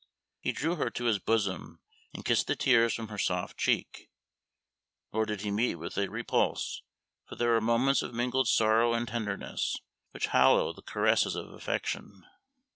He drew her to his bosom and kissed the tears from her soft cheek; nor did he meet with a repulse, for there are moments of mingled sorrow and tenderness which hallow the caresses of affection.